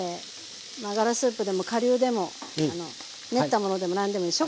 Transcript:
ガラスープでも顆粒でも練ったものでも何でもいい。